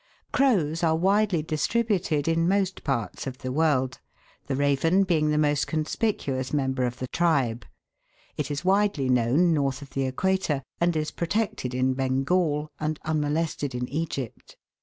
Crows are widely distributed in most parts of the world ; the raven being the most conspicuous member of the tribe. It is widely known north of the equator, and is protected in Bengal, and unmolested in Egypt.